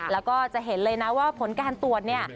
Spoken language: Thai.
แล้วก็จะเห็นเลยนะว่าผลการตรวจเนี่ย